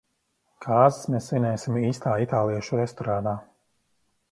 Kāzas mēs svinēsim īstā itāliešu restorānā.